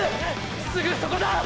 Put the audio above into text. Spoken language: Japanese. すぐそこだ！！